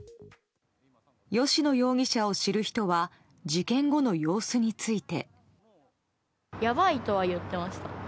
吉野容疑者を知る人は事件後の様子について。